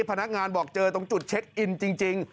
พนักงานบอกเจอตรงจุดเช็คอินจริง